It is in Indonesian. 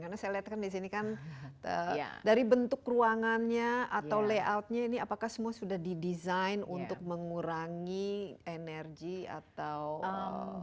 karena saya lihat kan di sini kan dari bentuk ruangannya atau layoutnya ini apakah semua sudah didesain untuk mengurangi energi atau